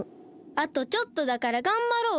あとちょっとだからがんばろうよ！